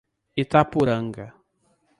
Itapuranga